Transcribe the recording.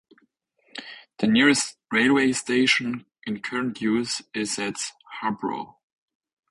The nearest railway station in current use is at Habrough.